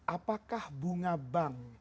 apakah bunga bank